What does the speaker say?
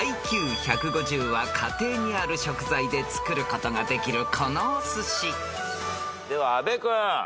［ＩＱ１５０は家庭にある食材で作ることができるこのお寿司］では阿部君。